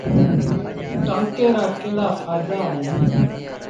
ٽآنڪي رآڪهڙآ ڦآئيدآ اهيݩ۔